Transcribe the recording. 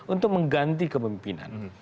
untuk mengganti kepemimpinan